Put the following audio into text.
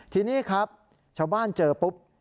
ทีนี้ครับชาวบ้านเจอปุ๊บ